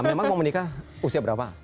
memang mau menikah usia berapa